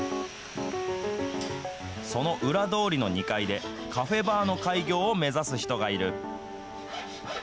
その裏通りの２階で、カフェバーの開業を目指す人がいる。